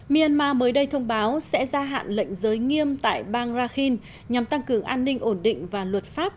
myanmar mới đây thông báo sẽ gia hạn lệnh giới nghiêm tại bang rakhin nhằm tăng cường an ninh ổn định và luật pháp